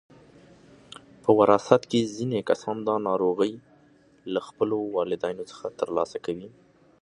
په وراثت کې ځینې کسان دا ناروغي له خپلو والدینو څخه ترلاسه کوي.